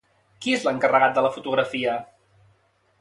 Qui és l'encarregat de la fotografia?